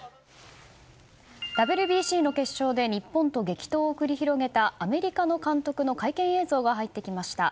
ＷＢＣの決勝で日本と激闘を繰り広げたアメリカの監督の会見映像が入ってきました。